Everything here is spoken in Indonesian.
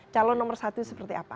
calon nomor satu seperti apa